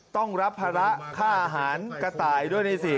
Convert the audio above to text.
ต้องรับภาระค่าอาหารกระต่ายด้วยนี่สิ